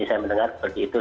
saya mendengar seperti itu